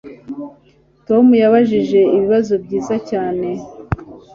Tom yabajije ibibazo byiza cyane